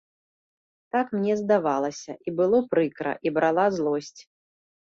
Так мне здавалася, і было прыкра, і брала злосць.